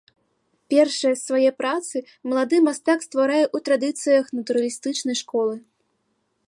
Першыя свае працы малады мастак стварае ў традыцыях натуралістычнай школы.